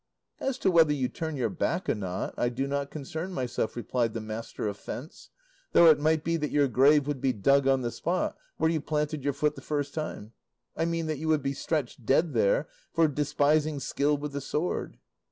"As to whether you turn your back or not, I do not concern myself," replied the master of fence; "though it might be that your grave would be dug on the spot where you planted your foot the first time; I mean that you would be stretched dead there for despising skill with the sword."